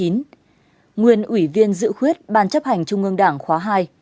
nguyên ủy viên dự khuyết ban chấp hành trung ương đảng khóa hai